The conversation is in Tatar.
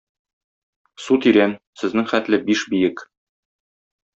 Су тирән, сезнең хәтле биш биек.